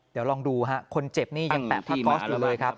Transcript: เดี๋ยวลองดูฮะคนเจ็บนี่ยังแปะผ้าก๊อสอยู่เลยครับ